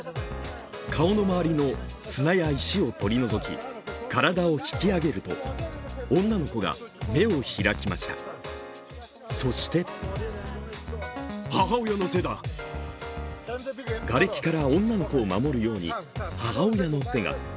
顔の周りの砂や石を取り除き体を引き上げると女の子が目を開きました、そしてがれきから女の子を守るように、母親の手が。